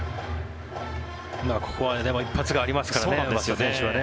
ここは一発がありますからね松田選手はね。